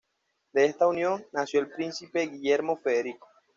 De esta unión nació el príncipe Guillermo Federico.